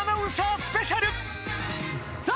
スペシャルさあ